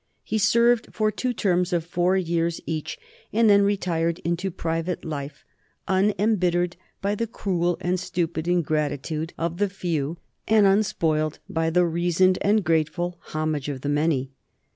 He served for two terms of four years each, and then retired into private life, unembittered by the cruel and stupid ingratitude of the few and unspoiled by the reasoned and grateful homage of the many.